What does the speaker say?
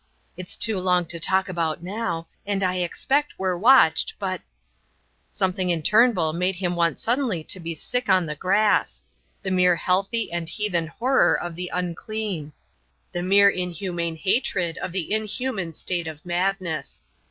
It's too long to talk about now, and I expect we're watched, but " Something in Turnbull made him want suddenly to be sick on the grass; the mere healthy and heathen horror of the unclean; the mere inhumane hatred of the inhuman state of madness.